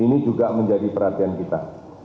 ini juga menjadi perhatian kita